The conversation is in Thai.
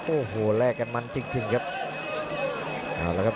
โอ้โหแลกกันมันจริงครับ